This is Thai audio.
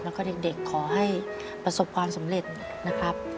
แล้วก็เด็กขอให้ประสบความสำเร็จนะครับ